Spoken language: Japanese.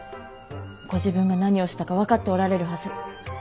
ご自分が何をしたか分かっておられるはず。